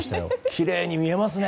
きれいに見えますね！